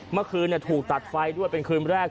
เมื่อคืนถูกตัดไฟด้วยเป็นคืนแรก